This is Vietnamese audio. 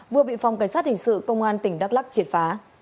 vừa bị phòng cảnh sát hình sự công an tỉnh